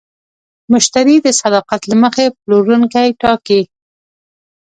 مشتری د صداقت له مخې پلورونکی ټاکي.